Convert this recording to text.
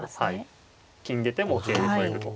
金出ても桂で取れると。